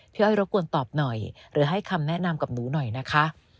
อ้อยรบกวนตอบหน่อยหรือให้คำแนะนำกับหนูหน่อยนะคะ